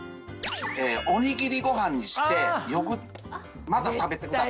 おにぎりご飯にして翌日また食べてください。